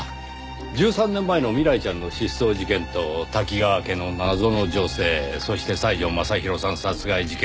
１３年前の未来ちゃんの失踪事件と多岐川家の謎の女性そして西條雅弘さん殺害事件。